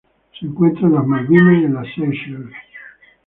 Se encuentra en las Maldivas y Seychelles.